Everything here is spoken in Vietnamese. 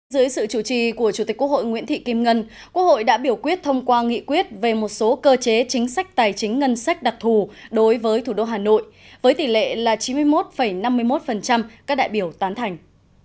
dưới sự chủ trì của chủ tịch quốc hội nguyễn thị kim ngân quốc hội đã biểu quyết thông qua nghị quyết về một số cơ chế chính sách tài chính ngân sách đặc thù đối với thủ đô hà nội với tỷ lệ là chín mươi một năm mươi một các đại biểu tán thành